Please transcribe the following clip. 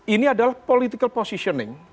ini adalah political positioning